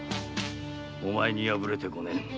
お前に敗れて五年。